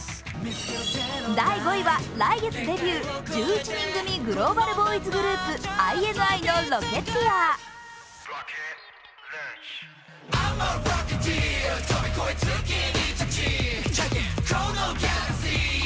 第５位は、来月デビュー、１１人組グローバルボーイズグループ、ＩＮＩの「Ｒｏｃｋｅｔｅｅｒ」。